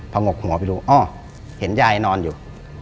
งกหัวไปดูอ้อเห็นยายนอนอยู่